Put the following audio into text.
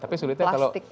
tapi sulitnya kalau